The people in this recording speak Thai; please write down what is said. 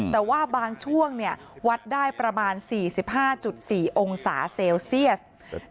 แต่ว่าบางช่วงวัดได้ประมาณ๔๕๔องศาเซลเซียส